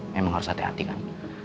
memang harus hati hati kan